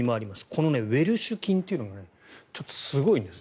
このウエルシュ菌というのがちょっとすごいんです。